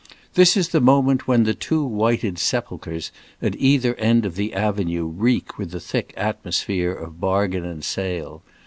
This is the moment when the two whited sepulchres at either end of the Avenue reek with the thick atmosphere of bargain and sale.